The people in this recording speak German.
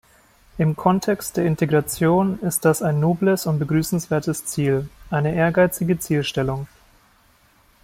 Im Kontext der Integration ist das ein nobles und begrüßenswertes Ziel, eine ehrgeizige Zielstellung.